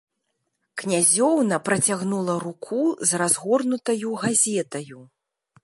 Князёўна працягнула руку з разгорнутаю газетаю.